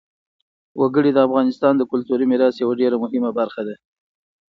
وګړي د افغانستان د کلتوري میراث یوه ډېره مهمه برخه ده.